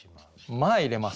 「前」入れます。